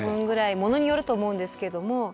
ものによると思うんですけども。